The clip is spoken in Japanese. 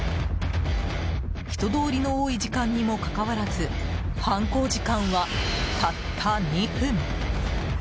人通りの多い時間にもかかわらず犯行時間はたった２分。